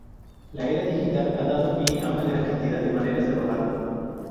La era digital ha dado pie a una gran cantidad de maneras de robar.